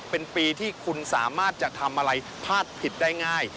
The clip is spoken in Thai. เป็นปีที่คุณสามารถจะทำอะไรพลาดผิดได้ง่าย